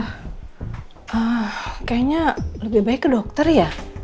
hah kayaknya lebih baik ke dokter ya